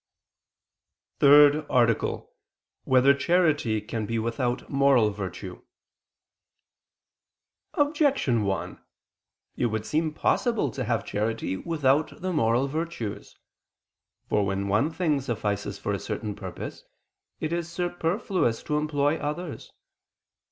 ________________________ THIRD ARTICLE [I II, Q. 65, Art. 3] Whether Charity Can Be Without Moral Virtue? Objection 1: It would seem possible to have charity without the moral virtues. For when one thing suffices for a certain purpose, it is superfluous to employ others.